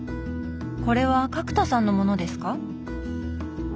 これは角田さんのものですか？